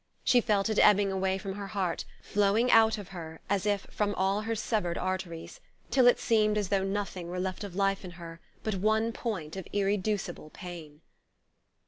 She felt it ebbing away from her heart, flowing out of her as if from all her severed arteries, till it seemed as though nothing were left of life in her but one point of irreducible pain.